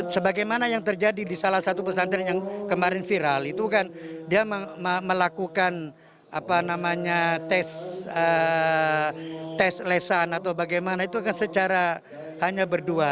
sebagaimana yang terjadi di salah satu pesantren yang kemarin viral itu kan dia melakukan tes lesan atau bagaimana itu kan secara hanya berdua